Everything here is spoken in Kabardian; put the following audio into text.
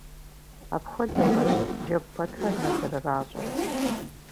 Апхуэдэурэщ джэгу пэтрэ нэ зэрыращӏыр.